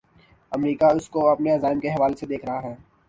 امریکہ اس کو اپنے عزائم کے حوالے سے دیکھ رہا ہے۔